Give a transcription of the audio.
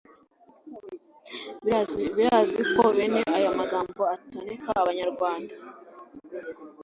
Birazwi ko bene aya magambo atoneka abanyarwanda